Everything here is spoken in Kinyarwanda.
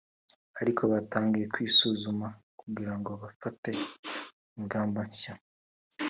ariko batangiye kwisuzuma kugira ngo bafate ingamba nshya